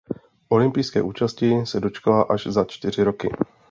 Olympijské účasti se dočkala až za čtyři roky.